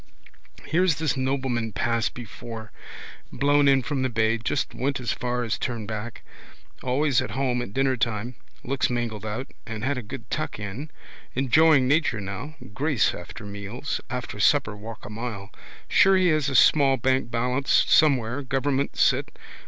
Here's this nobleman passed before. Blown in from the bay. Just went as far as turn back. Always at home at dinnertime. Looks mangled out: had a good tuck in. Enjoying nature now. Grace after meals. After supper walk a mile. Sure he has a small bank balance somewhere, government sit.